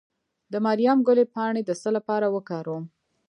د مریم ګلي پاڼې د څه لپاره وکاروم؟